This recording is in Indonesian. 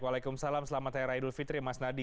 waalaikumsalam selamat hari raya idul fitri mas nadi